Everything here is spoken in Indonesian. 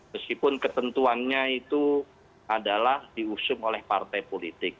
meskipun ketentuannya itu adalah diusung oleh partai politik